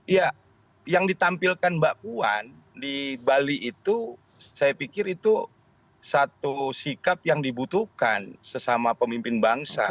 ya yang ditampilkan mbak puan di bali itu saya pikir itu satu sikap yang dibutuhkan sesama pemimpin bangsa